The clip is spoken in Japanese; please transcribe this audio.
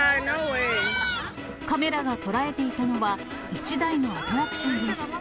カメラが捉えていたのは、１台のアトラクションです。